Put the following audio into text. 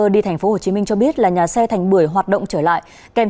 tp hcm cho biết là nhà xe thành bưởi hoạt động trở lại